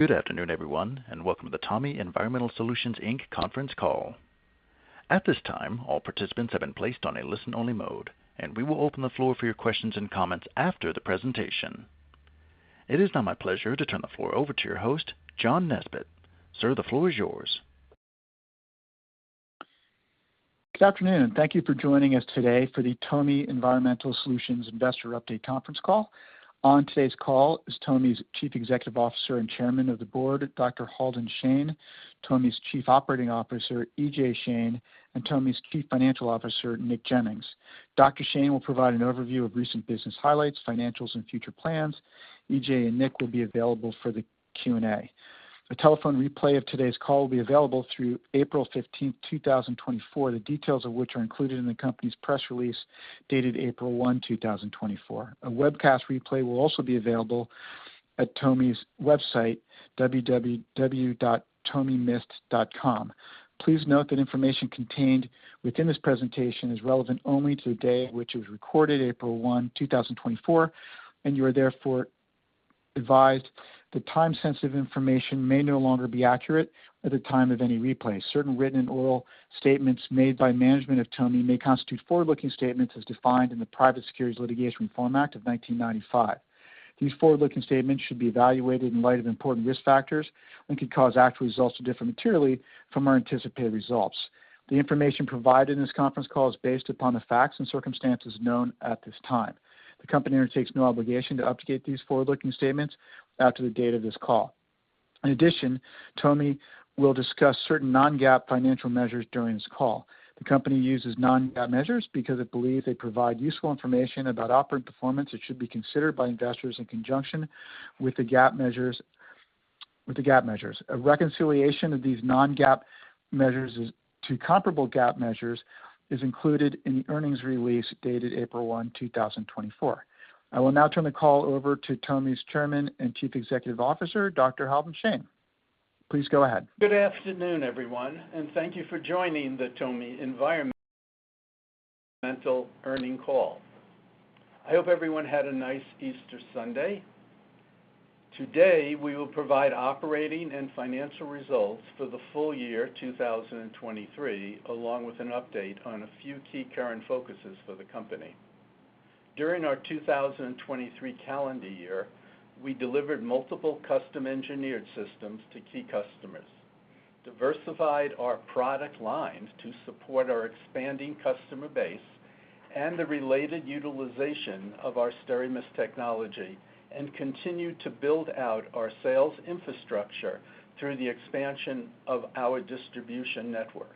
Good afternoon, everyone, and welcome to the TOMI Environmental Solutions, Inc., conference call. At this time, all participants have been placed on a listen-only mode, and we will open the floor for your questions and comments after the presentation. It is now my pleasure to turn the floor over to your host, John Nesbett. Sir, the floor is yours. Good afternoon, and thank you for joining us today for the TOMI Environmental Solutions Investor Update conference call. On today's call is TOMI's Chief Executive Officer and Chairman of the Board, Dr. Halden Shane, TOMI's Chief Operating Officer, E.J. Shane, and TOMI's Chief Financial Officer, Nick Jennings. Dr. Shane will provide an overview of recent business highlights, financials, and future plans. E.J. and Nick will be available for the Q&A. A telephone replay of today's call will be available through April 15th, 2024, the details of which are included in the company's press release dated April 1, 2024. A webcast replay will also be available at TOMI's website, www.tomienv.com. Please note that information contained within this presentation is relevant only to the day at which it was recorded, April 1, 2024, and you are therefore advised that time-sensitive information may no longer be accurate at the time of any replay. Certain written and oral statements made by management of TOMI may constitute forward-looking statements as defined in the Private Securities Litigation Reform Act of 1995. These forward-looking statements should be evaluated in light of important risk factors and could cause actual results to differ materially from our anticipated results. The information provided in this conference call is based upon the facts and circumstances known at this time. The company undertakes no obligation to update these forward-looking statements after the date of this call. In addition, TOMI will discuss certain non-GAAP financial measures during this call. The company uses non-GAAP measures because it believes they provide useful information about operating performance that should be considered by investors in conjunction with the GAAP measures. A reconciliation of these non-GAAP measures to comparable GAAP measures is included in the earnings release dated April 1, 2024. I will now turn the call over to TOMI's Chairman and Chief Executive Officer, Dr. Halden Shane. Please go ahead. Good afternoon, everyone, and thank you for joining the TOMI Environmental Solutions Earnings call. I hope everyone had a nice Easter Sunday. Today, we will provide operating and financial results for the full year 2023, along with an update on a few key current focuses for the company. During our 2023 calendar year, we delivered multiple custom-engineered systems to key customers, diversified our product line to support our expanding customer base and the related utilization of our SteraMist technology, and continued to build out our sales infrastructure through the expansion of our distribution network.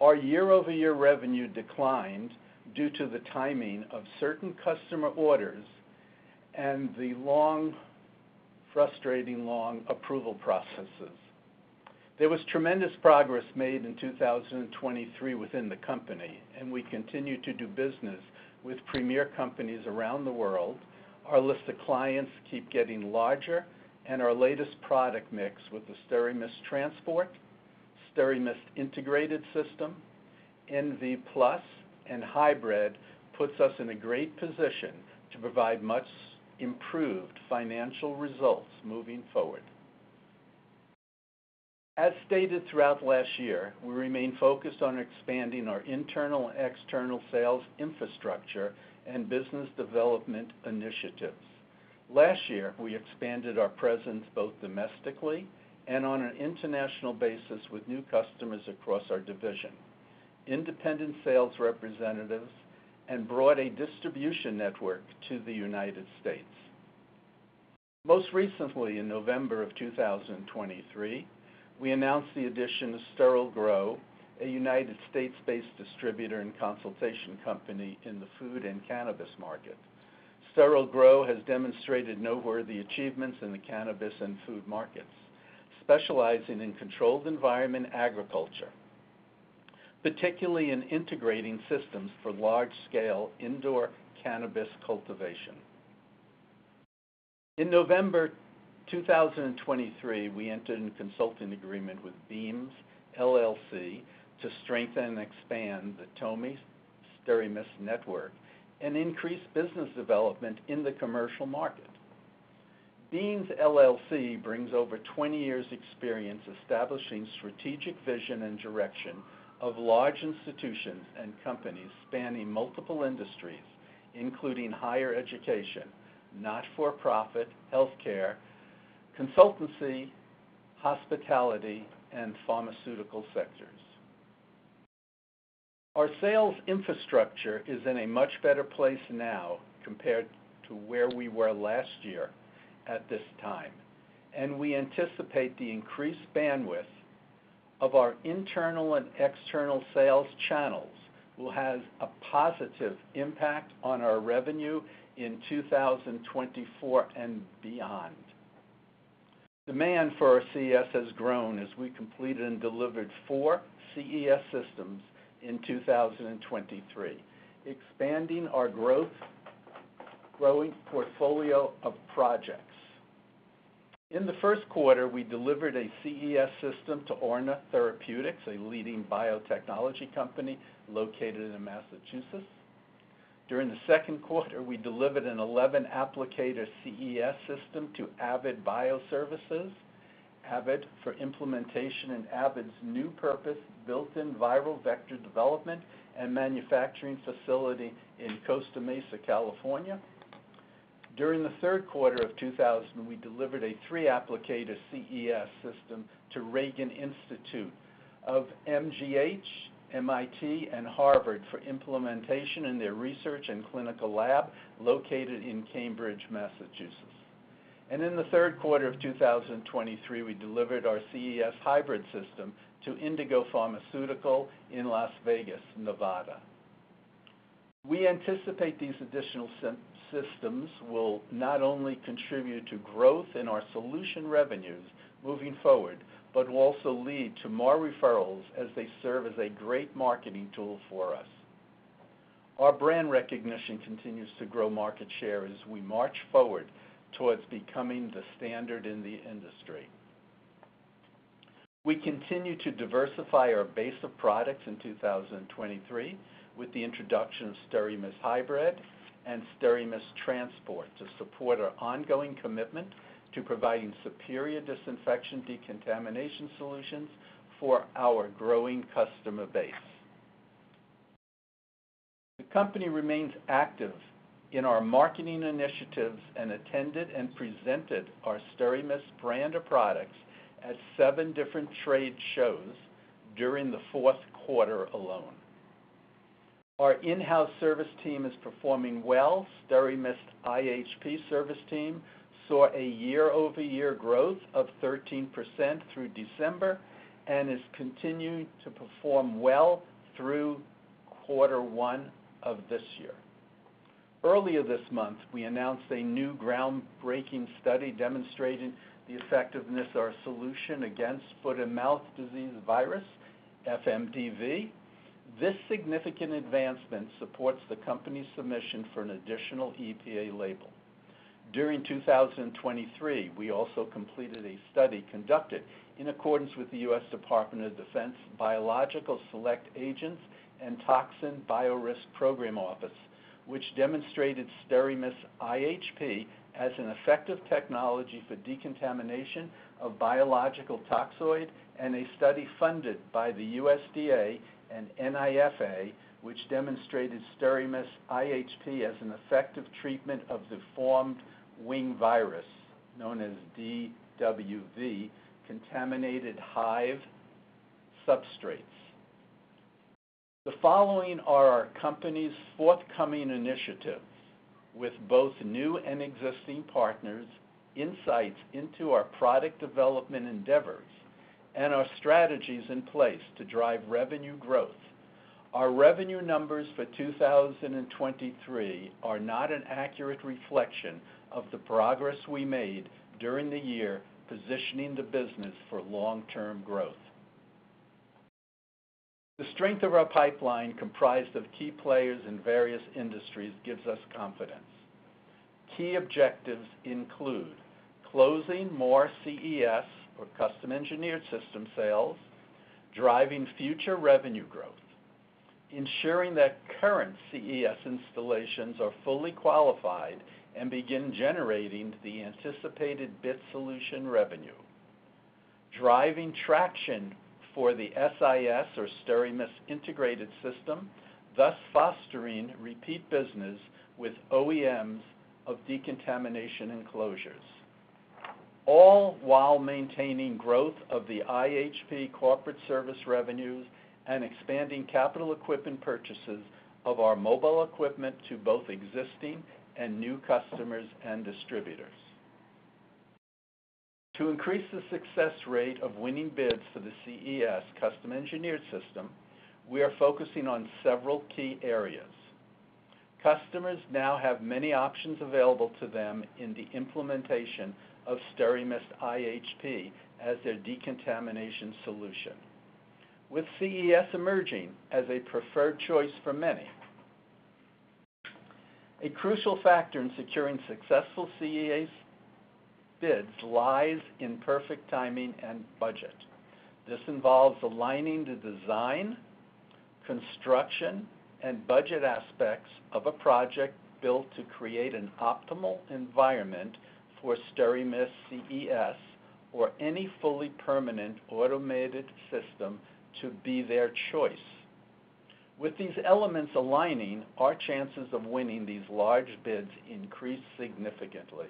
Our year-over-year revenue declined due to the timing of certain customer orders and the frustrating long approval processes. There was tremendous progress made in 2023 within the company, and we continue to do business with premier companies around the world. Our list of clients keeps getting larger, and our latest product mix with the SteraMist Transport, SteraMist Integrated System, NV+, and Hybrid puts us in a great position to provide much-improved financial results moving forward. As stated throughout last year, we remain focused on expanding our internal and external sales infrastructure and business development initiatives. Last year, we expanded our presence both domestically and on an international basis with new customers across our division, independent sales representatives, and brought a distribution network to the United States. Most recently, in November of 2023, we announced the addition of SterilGrow, a United States-based distributor and consultation company in the food and cannabis market. SterilGrow has demonstrated noteworthy achievements in the cannabis and food markets, specializing in controlled environment agriculture, particularly in integrating systems for large-scale indoor cannabis cultivation. In November 2023, we entered into a consulting agreement with Beams, LLC, to strengthen and expand the TOMI SteraMist network and increase business development in the commercial market. Beams, LLC, brings over 20 years' experience establishing strategic vision and direction of large institutions and companies spanning multiple industries, including higher education, not-for-profit, healthcare, consultancy, hospitality, and pharmaceutical sectors. Our sales infrastructure is in a much better place now compared to where we were last year at this time, and we anticipate the increased bandwidth of our internal and external sales channels will have a positive impact on our revenue in 2024 and beyond. Demand for our CES has grown as we completed and delivered 4 CES systems in 2023, expanding our growing portfolio of projects. In the first quarter, we delivered a CES system to Orna Therapeutics, a leading biotechnology company located in Massachusetts. During the second quarter, we delivered an 11-applicator CES system to Avid Bioservices for implementation in Avid's new purpose-built viral vector development and manufacturing facility in Costa Mesa, California. During the third quarter of 2023, we delivered a 3-applicator CES system to Ragon Institute of MGH, MIT, and Harvard for implementation in their research and clinical lab located in Cambridge, Massachusetts. And in the third quarter of 2023, we delivered our CES hybrid system to Indigo Pharmaceutical in Las Vegas, Nevada. We anticipate these additional systems will not only contribute to growth in our solution revenues moving forward but will also lead to more referrals as they serve as a great marketing tool for us. Our brand recognition continues to grow market share as we march forward towards becoming the standard in the industry. We continue to diversify our base of products in 2023 with the introduction of SteraMist Hybrid and SteraMist Transport to support our ongoing commitment to providing superior disinfection decontamination solutions for our growing customer base. The company remains active in our marketing initiatives and attended and presented our SteraMist brand of products at seven different trade shows during the fourth quarter alone. Our in-house service team is performing well. SteraMist iHP service team saw a year-over-year growth of 13% through December and is continuing to perform well through quarter one of this year. Earlier this month, we announced a new groundbreaking study demonstrating the effectiveness of our solution against Foot-and-Mouth Disease Virus, FMDV. This significant advancement supports the company's submission for an additional EPA label. During 2023, we also completed a study conducted in accordance with the U.S. Department of Defense Biological Select Agents and Toxin Biorisk Program Office, which demonstrated SteraMist iHP as an effective technology for decontamination of biological toxoid, and a study funded by the USDA and NIFA, which demonstrated SteraMist iHP as an effective treatment of the Deformed Wing Virus, known as DWV, contaminated hive substrates. The following are our company's forthcoming initiatives with both new and existing partners, insights into our product development endeavors, and our strategies in place to drive revenue growth. Our revenue numbers for 2023 are not an accurate reflection of the progress we made during the year positioning the business for long-term growth. The strength of our pipeline, comprised of key players in various industries, gives us confidence. Key objectives include closing more CES, or Custom Engineered System sales, driving future revenue growth, ensuring that current CES installations are fully qualified and begin generating the anticipated BIT Solution revenue, driving traction for the SIS, or SteraMist Integrated System, thus fostering repeat business with OEMs of decontamination enclosures, all while maintaining growth of the iHP Corporate Service revenues and expanding capital equipment purchases of our mobile equipment to both existing and new customers and distributors. To increase the success rate of winning bids for the CES Custom Engineered System, we are focusing on several key areas. Customers now have many options available to them in the implementation of SteraMist iHP as their decontamination solution. With CES emerging as a preferred choice for many, a crucial factor in securing successful CES bids lies in perfect timing and budget. This involves aligning the design, construction, and budget aspects of a project built to create an optimal environment for SteraMist CES, or any fully permanent automated system, to be their choice. With these elements aligning, our chances of winning these large bids increase significantly.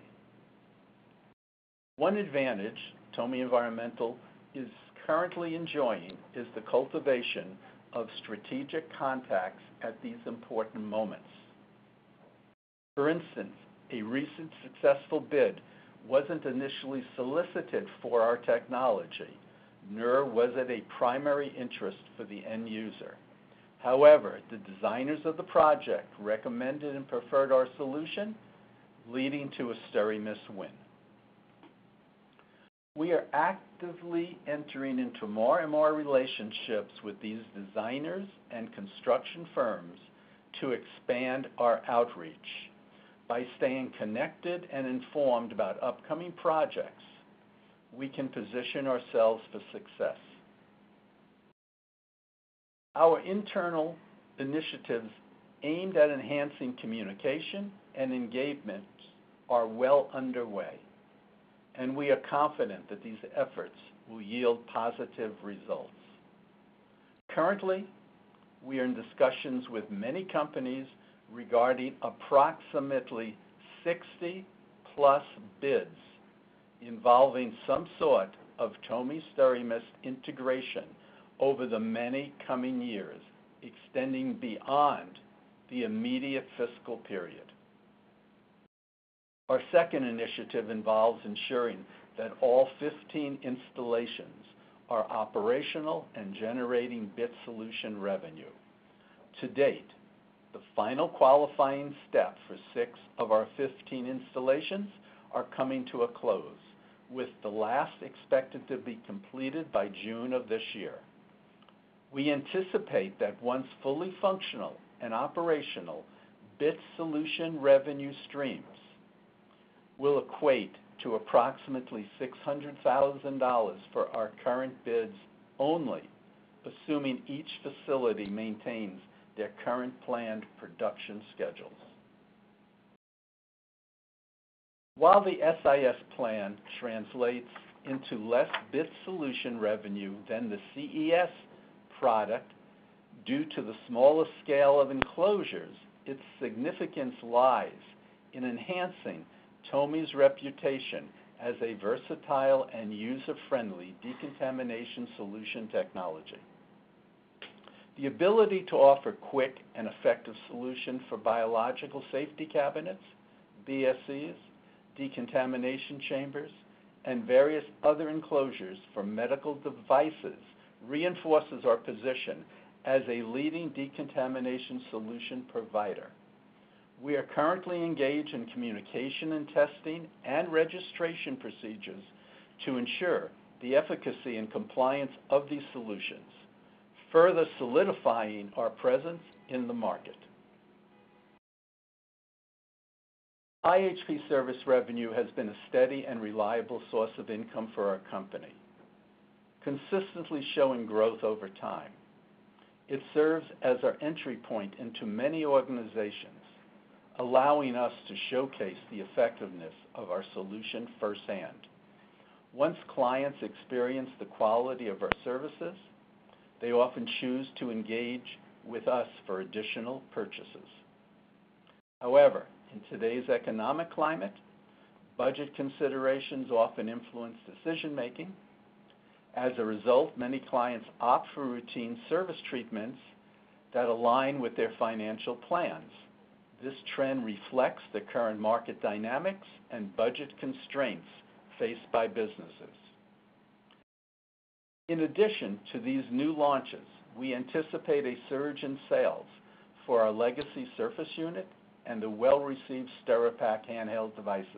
One advantage TOMI Environmental is currently enjoying is the cultivation of strategic contacts at these important moments. For instance, a recent successful bid wasn't initially solicited for our technology, nor was it a primary interest for the end user. However, the designers of the project recommended and preferred our solution, leading to a SteraMist win. We are actively entering into more and more relationships with these designers and construction firms to expand our outreach. By staying connected and informed about upcoming projects, we can position ourselves for success. Our internal initiatives aimed at enhancing communication and engagement are well underway, and we are confident that these efforts will yield positive results. Currently, we are in discussions with many companies regarding approximately 60+ bids involving some sort of TOMI SteraMist integration over the many coming years, extending beyond the immediate fiscal period. Our second initiative involves ensuring that all 15 installations are operational and generating BIT solution revenue. To date, the final qualifying step for 6 of our 15 installations is coming to a close, with the last expected to be completed by June of this year. We anticipate that once fully functional and operational, BIT solution revenue streams will equate to approximately $600,000 for our current bids only, assuming each facility maintains their current planned production schedules. While the SIS plan translates into less BIT Solution revenue than the CES product due to the smallest scale of enclosures, its significance lies in enhancing TOMI's reputation as a versatile and user-friendly decontamination solution technology. The ability to offer quick and effective solutions for biological safety cabinets, BSCs, decontamination chambers, and various other enclosures for medical devices reinforces our position as a leading decontamination solution provider. We are currently engaged in communication and testing and registration procedures to ensure the efficacy and compliance of these solutions, further solidifying our presence in the market. iHP service revenue has been a steady and reliable source of income for our company, consistently showing growth over time. It serves as our entry point into many organizations, allowing us to showcase the effectiveness of our solution firsthand. Once clients experience the quality of our services, they often choose to engage with us for additional purchases. However, in today's economic climate, budget considerations often influence decision-making. As a result, many clients opt for routine service treatments that align with their financial plans. This trend reflects the current market dynamics and budget constraints faced by businesses. In addition to these new launches, we anticipate a surge in sales for our legacy surface unit and the well-received SteraPak handheld devices.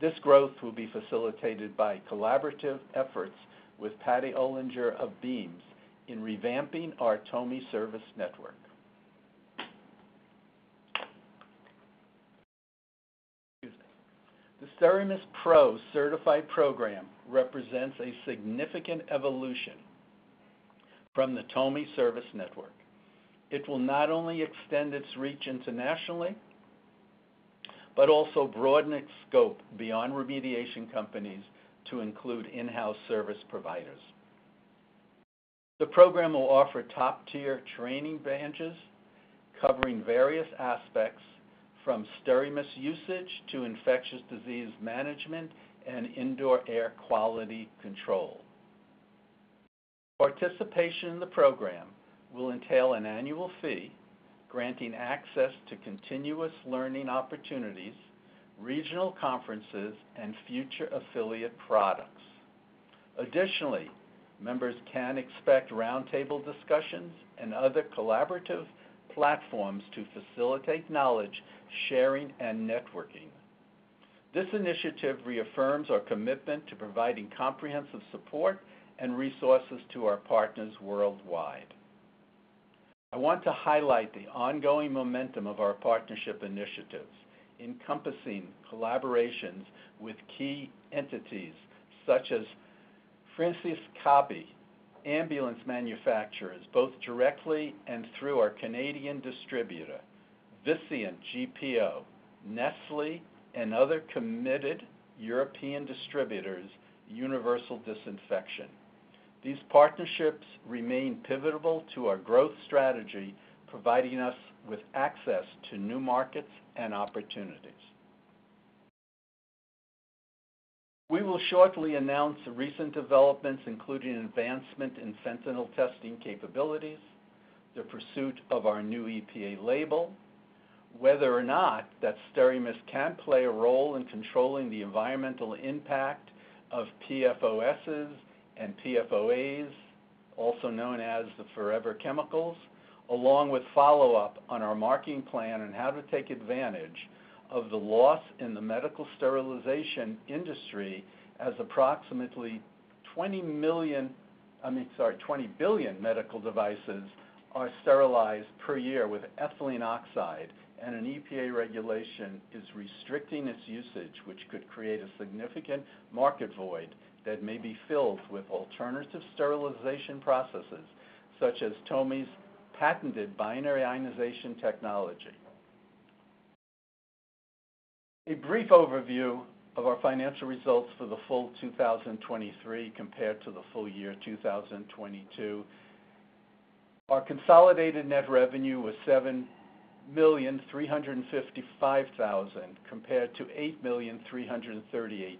This growth will be facilitated by collaborative efforts with Patty Olinger of Beams in revamping our TOMI service network. The SteraMist Pro Certified Program represents a significant evolution from the TOMI service network. It will not only extend its reach internationally but also broaden its scope beyond remediation companies to include in-house service providers. The program will offer top-tier training branches covering various aspects from SteraMist usage to infectious disease management and indoor air quality control. Participation in the program will entail an annual fee granting access to continuous learning opportunities, regional conferences, and future affiliate products. Additionally, members can expect roundtable discussions and other collaborative platforms to facilitate knowledge sharing and networking. This initiative reaffirms our commitment to providing comprehensive support and resources to our partners worldwide. I want to highlight the ongoing momentum of our partnership initiatives encompassing collaborations with key entities such as Fresenius Kabi, ambulance manufacturers, both directly and through our Canadian distributor, Visiant GPO, Nestlé, and other committed European distributors, Universal Disinfection. These partnerships remain pivotal to our growth strategy, providing us with access to new markets and opportunities. We will shortly announce recent developments, including advancement in fentanyl testing capabilities, the pursuit of our new EPA label, whether or not that SteraMist can play a role in controlling the environmental impact of PFOSs and PFOAs, also known as the forever chemicals, along with follow-up on our marketing plan on how to take advantage of the loss in the medical sterilization industry as approximately 20 million—I mean, sorry—20 billion medical devices are sterilized per year with ethylene oxide, and an EPA regulation is restricting its usage, which could create a significant market void that may be filled with alternative sterilization processes such as TOMI's patented Binary Ionization Technology. A brief overview of our financial results for the full 2023 compared to the full year 2022. Our consolidated net revenue was $7,355,000 compared to $8,338,000.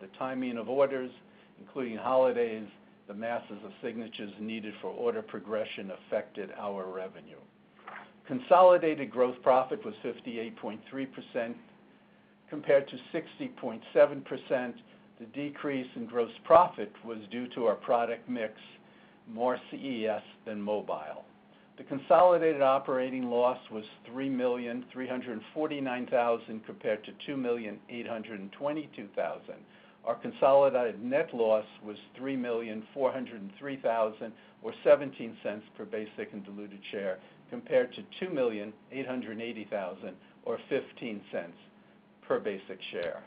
The timing of orders, including holidays, the masses of signatures needed for order progression affected our revenue. Consolidated gross profit was 58.3% compared to 60.7%. The decrease in gross profit was due to our product mix, more CES than mobile. The consolidated operating loss was $3,349,000 compared to $2,822,000. Our consolidated net loss was $3,403,017 per basic and diluted share compared to $2,880,015 per basic share.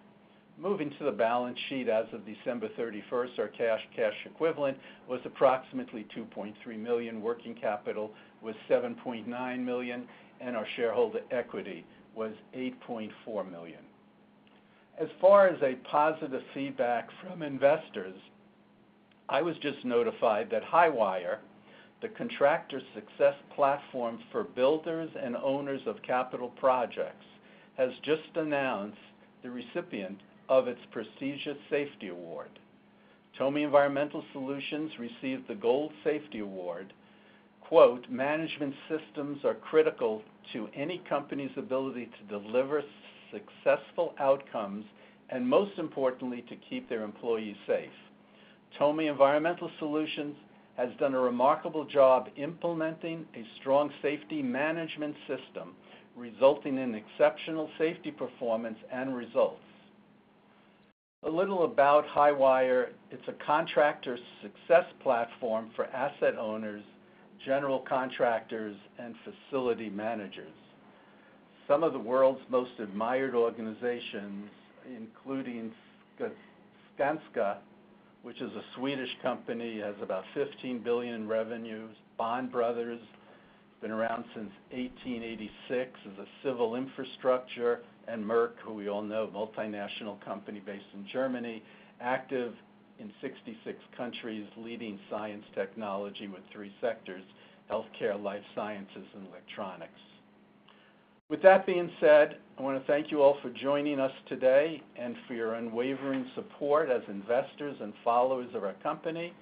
Moving to the balance sheet as of December 31st, our cash equivalent was approximately $2.3 million, working capital was $7.9 million, and our shareholder equity was $8.4 million. As far as positive feedback from investors, I was just notified that Highwire, the contractor success platform for builders and owners of capital projects, has just announced the recipient of its prestigious safety award. TOMI Environmental Solutions received the Gold Safety Award. Management systems are critical to any company's ability to deliver successful outcomes and, most importantly, to keep their employees safe. TOMI Environmental Solutions has done a remarkable job implementing a strong safety management system, resulting in exceptional safety performance and results." A little about Highwire: it's a contractor success platform for asset owners, general contractors, and facility managers. Some of the world's most admired organizations, including Skanska, which is a Swedish company, has about $15 billion in revenue. Bond Brothers, been around since 1886 as a civil infrastructure. And Merck, who we all know, multinational company based in Germany, active in 66 countries, leading science technology with three sectors: healthcare, life sciences, and electronics. With that being said, I want to thank you all for joining us today and for your unwavering support as investors and followers of our company.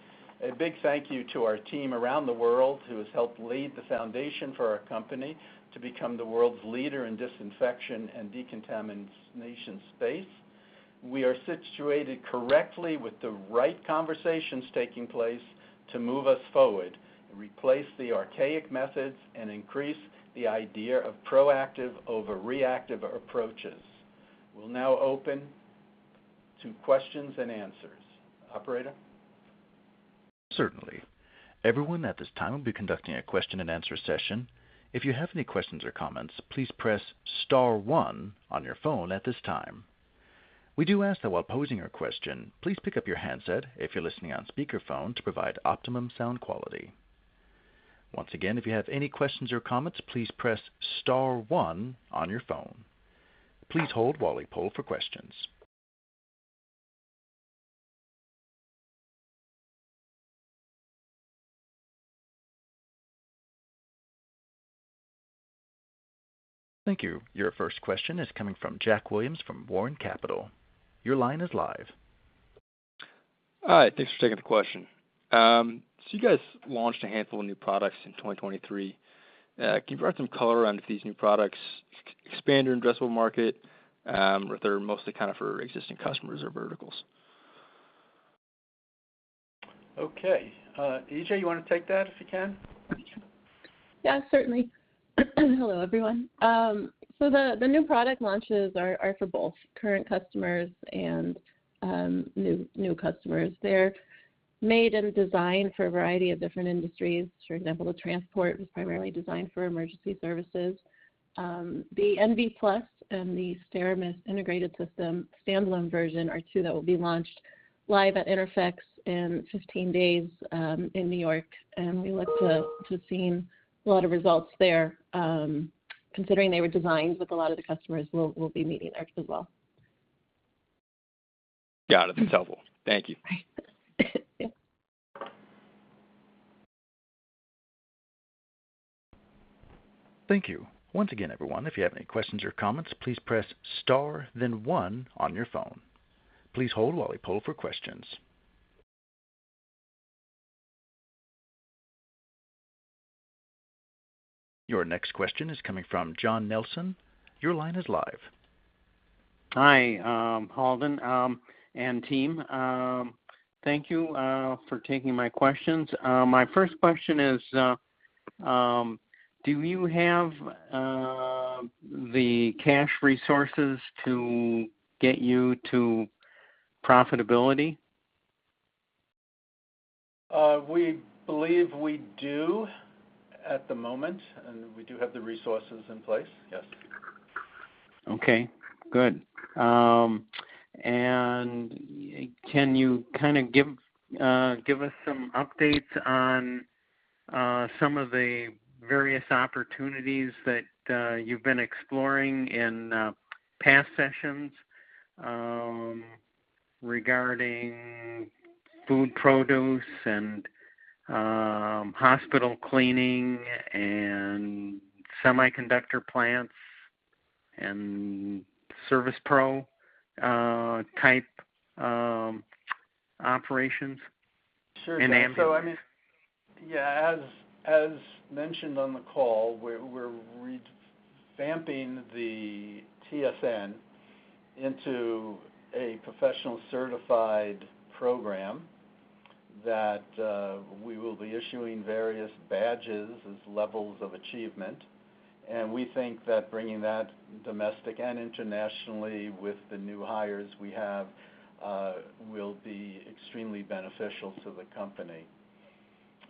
A big thank you to our team around the world who has helped lead the foundation for our company to become the world's leader in disinfection and decontamination space. We are situated correctly with the right conversations taking place to move us forward, replace the archaic methods, and increase the idea of proactive over reactive approaches. We'll now open to questions and answers. Operator? Certainly. Everyone at this time will be conducting a question and answer session. If you have any questions or comments, please press star one on your phone at this time. We do ask that while posing your question, please pick up your handset if you're listening on speakerphone to provide optimum sound quality. Once again, if you have any questions or comments, please press star one on your phone. Please hold while we poll for questions. Thank you. Your first question is coming from Jack Williams from Warren Capital. Your line is live. All right. Thanks for taking the question. So you guys launched a handful of new products in 2023. Can you bring some color on if these new products expand your addressable market or if they're mostly kind of for existing customers or verticals? Okay. E.J., you want to take that if you can? Yeah, certainly. Hello, everyone. The new product launches are for both current customers and new customers. They're made and designed for a variety of different industries. For example, the Transport was primarily designed for emergency services. The NV Plus and the SteraMist Integrated System, standalone version, are two that will be launched live at Interphex in 15 days in New York. We look to have seen a lot of results there, considering they were designed with a lot of the customers we'll be meeting as well. Got it. That's helpful. Thank you. Bye. Thank you. Once again, everyone, if you have any questions or comments, please press star, then one on your phone. Please hold while we poll for questions. Your next question is coming from John Nelson. Your line is live. Hi, Halden and team. Thank you for taking my questions. My first question is, do you have the cash resources to get you to profitability? We believe we do at the moment, and we do have the resources in place. Yes. Okay. Good. Can you kind of give us some updates on some of the various opportunities that you've been exploring in past sessions regarding food produce and hospital cleaning and semiconductor plants and ServicePro-type operations in Amby? Sure. And also, I mean, yeah, as mentioned on the call, we're revamping the TSN into a professional certified program that we will be issuing various badges as levels of achievement. And we think that bringing that domestic and internationally with the new hires we have will be extremely beneficial to the company.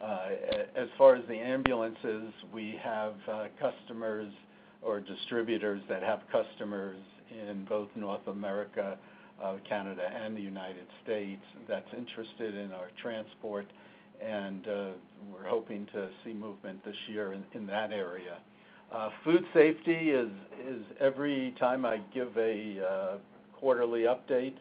As far as the ambulances, we have customers or distributors that have customers in both North America, Canada, and the United States that's interested in our transport. And we're hoping to see movement this year in that area. Food safety, every time I give a quarterly update,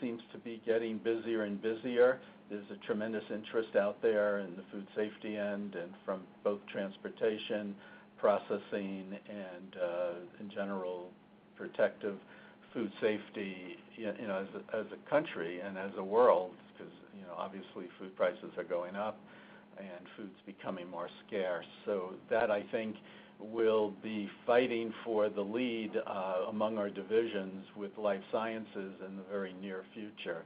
seems to be getting busier and busier. There's a tremendous interest out there in the food safety end and from both transportation, processing, and in general, protective food safety as a country and as a world because obviously, food prices are going up and food's becoming more scarce. So that, I think, will be fighting for the lead among our divisions with life sciences in the very near future.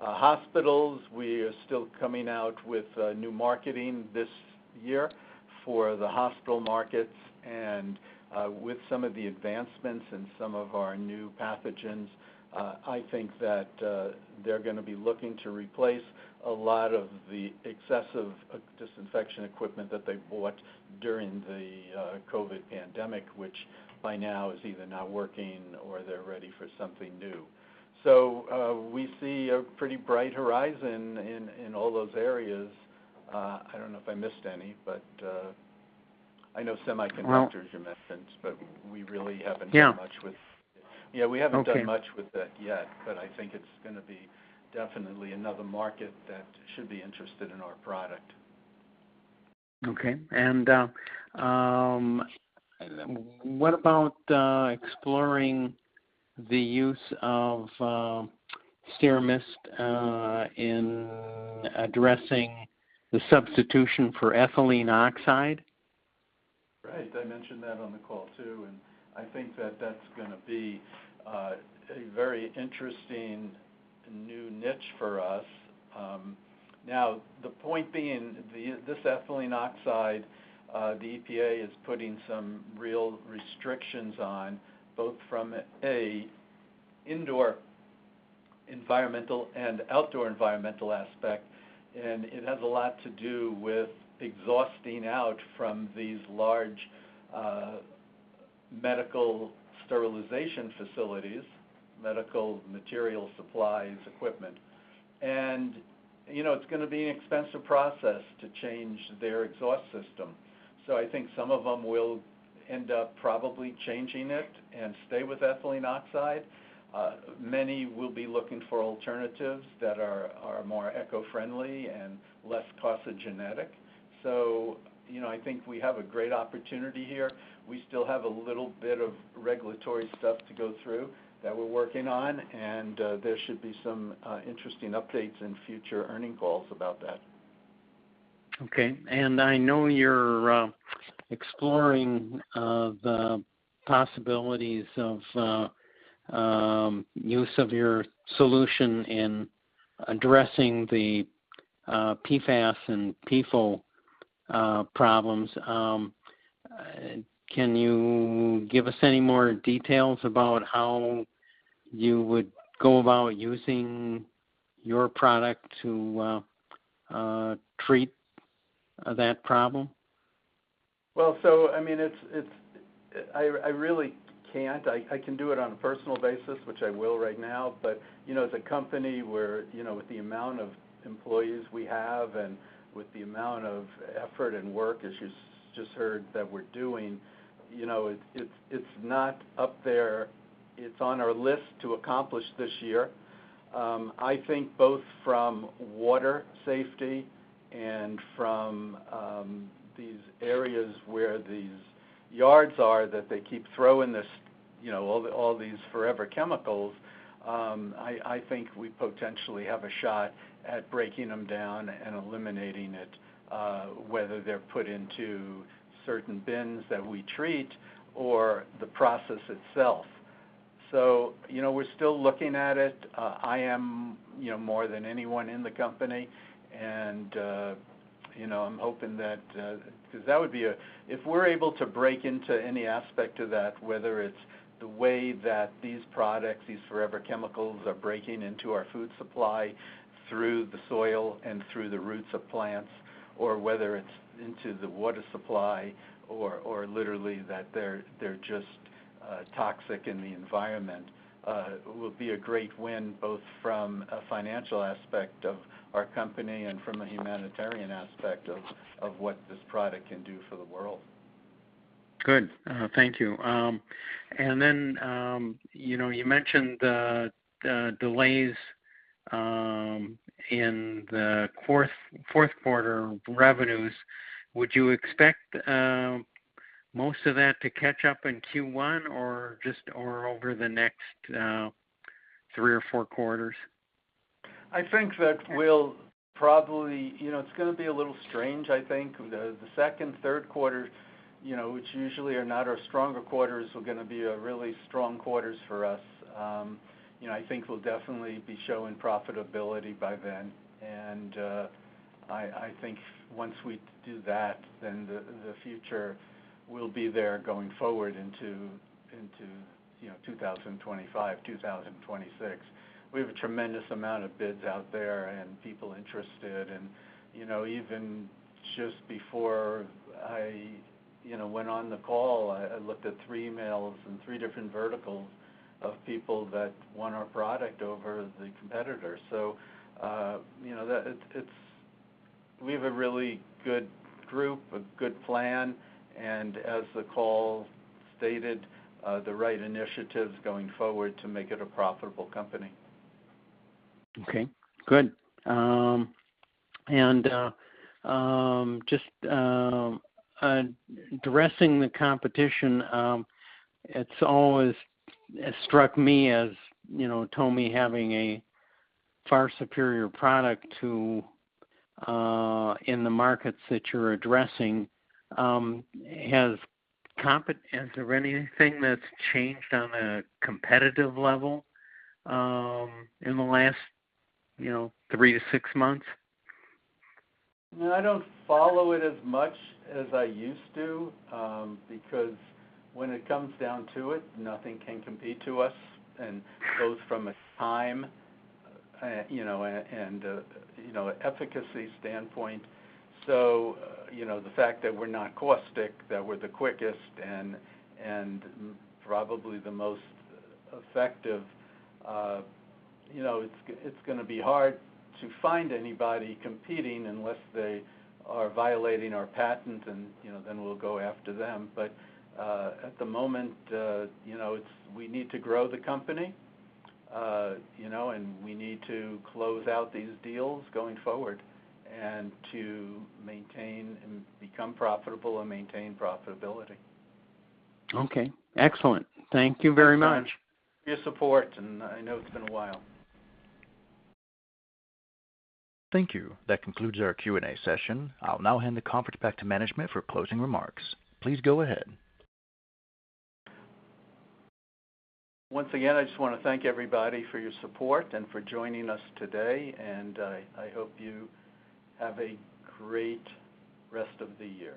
Hospitals, we are still coming out with new marketing this year for the hospital markets. And with some of the advancements in some of our new pathogens, I think that they're going to be looking to replace a lot of the excessive disinfection equipment that they bought during the COVID pandemic, which by now is either not working or they're ready for something new. So we see a pretty bright horizon in all those areas. I don't know if I missed any, but I know, semiconductors you mentioned, but we really haven't done much with yeah, we haven't done much with that yet, but I think it's going to be definitely another market that should be interested in our product. Okay. What about exploring the use of SteraMist in addressing the substitution for ethylene oxide? Right. I mentioned that on the call too. I think that that's going to be a very interesting new niche for us. Now, the point being, this Ethylene Oxide, the EPA is putting some real restrictions on both from an indoor environmental and outdoor environmental aspect. And it has a lot to do with exhausting out from these large medical sterilization facilities, medical material supplies, equipment. And it's going to be an expensive process to change their exhaust system. So I think some of them will end up probably changing it and stay with Ethylene Oxide. Many will be looking for alternatives that are more eco-friendly and less carcinogenic. So I think we have a great opportunity here. We still have a little bit of regulatory stuff to go through that we're working on, and there should be some interesting updates in future earnings calls about that. Okay. I know you're exploring the possibilities of use of your solution in addressing the PFAS and PFOA problems. Can you give us any more details about how you would go about using your product to treat that problem? Well, so I mean, I really can't. I can do it on a personal basis, which I will right now, but as a company, with the amount of employees we have and with the amount of effort and work, as you just heard, that we're doing, it's not up there. It's on our list to accomplish this year. I think both from water safety and from these areas where these yards are that they keep throwing all these forever chemicals, I think we potentially have a shot at breaking them down and eliminating it, whether they're put into certain bins that we treat or the process itself. So we're still looking at it. I am more than anyone in the company, and I'm hoping that because that would be a if we're able to break into any aspect of that, whether it's the way that these products, these forever chemicals, are breaking into our food supply through the soil and through the roots of plants or whether it's into the water supply or literally that they're just toxic in the environment, it will be a great win both from a financial aspect of our company and from a humanitarian aspect of what this product can do for the world. Good. Thank you. And then you mentioned delays in the fourth quarter revenues. Would you expect most of that to catch up in Q1 or over the next three or four quarters? I think that we'll probably it's going to be a little strange, I think. The second, third quarters, which usually are not our stronger quarters, are going to be really strong quarters for us. I think we'll definitely be showing profitability by then. And I think once we do that, then the future will be there going forward into 2025, 2026. We have a tremendous amount of bids out there and people interested. And even just before I went on the call, I looked at three emails and three different verticals of people that want our product over the competitor. So we have a really good group, a good plan, and as the call stated, the right initiatives going forward to make it a profitable company. Okay. Good. And just addressing the competition, it's always struck me as TOMI having a far superior product to in the markets that you're addressing. Has there been anything that's changed on a competitive level in the last three to six months? I don't follow it as much as I used to because when it comes down to it, nothing can compete to us and both from a time and efficacy standpoint. So the fact that we're not caustic, that we're the quickest and probably the most effective, it's going to be hard to find anybody competing unless they are violating our patent, and then we'll go after them. But at the moment, we need to grow the company, and we need to close out these deals going forward and to maintain and become profitable and maintain profitability. Okay. Excellent. Thank you very much. Thank you for your support. I know it's been a while. Thank you. That concludes our Q&A session. I'll now hand the conference back to management for closing remarks. Please go ahead. Once again, I just want to thank everybody for your support and for joining us today. I hope you have a great rest of the year.